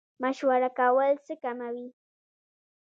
مشوره کول څه کموي؟